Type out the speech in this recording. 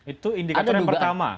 itu indikator yang pertama